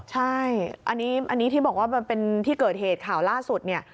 ใช่อันนี้ที่บอกว่ามันเป็นที่เกิดเหตุข่าวล่าสุดเนี่ย